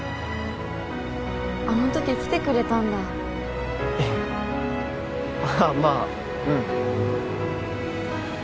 あのとき来てくれたんだえああまあうん